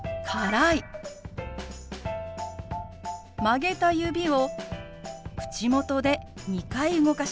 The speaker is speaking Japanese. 曲げた指を口元で２回動かします。